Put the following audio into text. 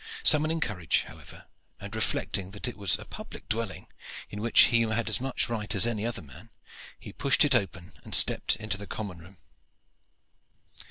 Summoning courage, however, and reflecting that it was a public dwelling, in which he had as much right as any other man, he pushed it open and stepped into the common room.